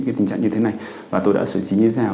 cái tình trạng như thế này và tôi đã xử trí như thế nào